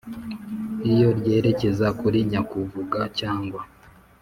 iyo ryerekeza kuri nyakuvuga cyangwa